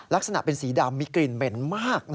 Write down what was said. ลักษณะเป็นสีดำมีกลิ่นเหม็นมาก